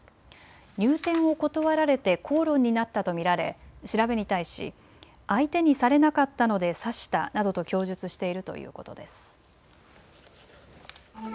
入店を断られて口論になったと見られ調べに対し相手にされなかったので刺したなどと供述しているということです。